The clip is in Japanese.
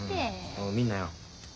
おう見んなよ。